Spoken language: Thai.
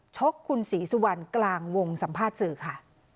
ชกคุณศรีสุวรรณกลางวงสัมภาษณ์สื่อค่ะ